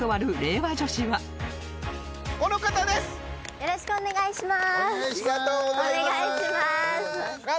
よろしくお願いします。